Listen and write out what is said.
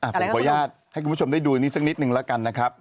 ผมขออนุญาตให้คุณผู้ชมได้ดูอันนี้สักนิดนึงแล้วกันนะครับ